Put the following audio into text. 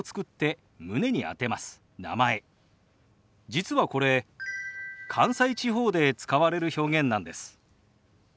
実はこれ関西地方で使われる表現なんです。